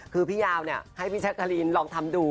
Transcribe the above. คือพี่ยาวเนี่ยให้พี่แจ๊กกะลีนลองทำดู